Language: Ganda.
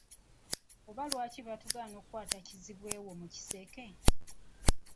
Oba lwaki baatugaana okukwata kizibwe wo mu kiseke?.